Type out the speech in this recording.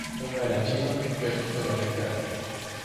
uno era chino y otro sudamericano.